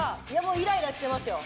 イライラしてますよ。